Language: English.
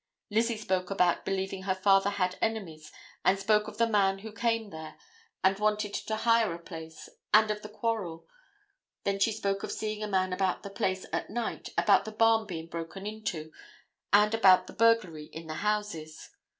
Lizzie spoke about believing her father had enemies and spoke of the man who came there and wanted to hire a place, and of the quarrel; then she spoke of seeing a man about the place at night; about the barn being broken into, and about the burglary in the houses.